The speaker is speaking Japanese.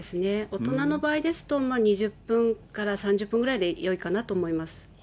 大人の場合ですと２０分から３０分ぐらいでよいかなと思います。